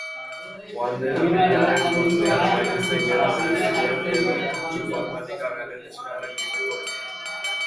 Joan den apirilaren bostean amaitu zen Gela Berezien edo Informatika Gelen eskaerak egiteko epea.